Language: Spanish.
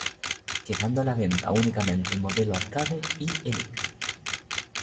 Quedando a la venta únicamente el modelo Arcade y Elite.